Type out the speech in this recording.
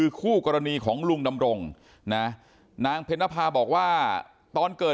ทุกผู้ชมครับที่ย่านครอง๓อำเภอครองหลวงพัทธุมธานี